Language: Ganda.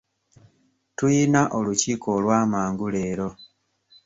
Tuyina olukiiko olw'amangu leero.